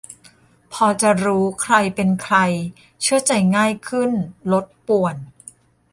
-พอจะรู้ใครเป็นใคร เชื่อใจง่ายขึ้น ลดป่วน